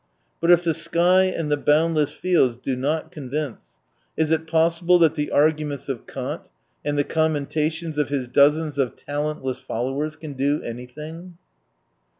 But if the sky and the boundless fields do not convince, is it possible that the argunients of Kant and the commentations of his dozens of talent less followers can do anything